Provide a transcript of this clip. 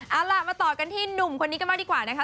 เอาล่ะมาต่อกันที่หนุ่มคนนี้กันบ้างดีกว่านะคะ